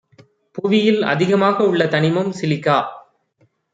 புவியில் அதிகமாக உள்ள தனிமம் சிலிக்கா